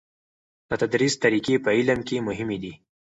د تدریس طریقی په علم کې مهمې دي.